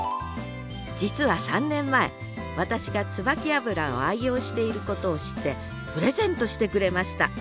実は３年前私がツバキ油を愛用していることを知ってプレゼントしてくれました。